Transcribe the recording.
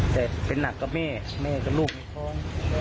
แต่เป็นหนักก็แม่แม่ก็ลูกก็พร้อม